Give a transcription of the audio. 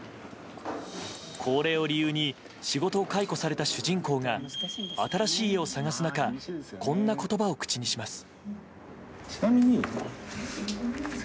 高齢を理由に仕事を解雇された主人公が新しい家を探す中こんな言葉を口にします。